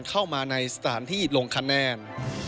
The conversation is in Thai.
เข้ามาในสถานที่ลงคะแนน